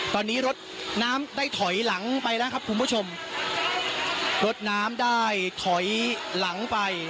ตอนนี้รถน้ำได้ถอยหลังไปแล้วครับคุณผู้ชมรถน้ำได้ถอยหลังไป